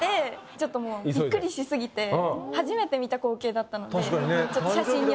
ちょっともうビックリし過ぎて初めて見た光景だったのでちょっと写真に。